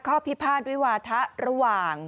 พิพาทวิวาทะระหว่าง